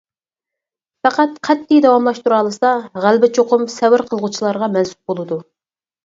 پەقەت قەتئىي داۋاملاشتۇرالىسا، غەلىبە چوقۇم سەۋر قىلغۇچىلارغا مەنسۇپ بولىدۇ.